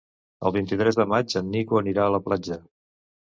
El vint-i-tres de maig en Nico anirà a la platja.